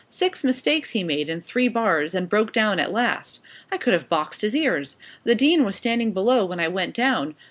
Six mistakes he made in three bars, and broke down at last. I could have boxed his ears. The dean was standing below when I went down.